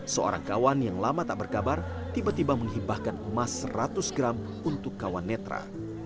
seorang kawan yang lama tak berkabar tiba tiba menghibahkan emas seratus gram untuk kawan netra